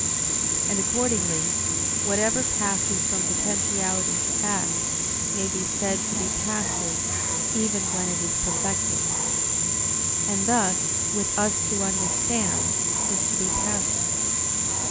And accordingly, whatever passes from potentiality to act, may be said to be passive, even when it is perfected. And thus with us to understand is to be passive.